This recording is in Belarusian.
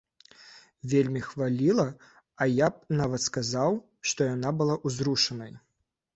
Вельмі хваліла, я б нават сказаў, што яна была ўзрушанай.